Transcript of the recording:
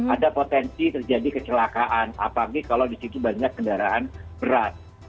ada potensi terjadi kecelakaan apalagi kalau di situ banyak kendaraan berat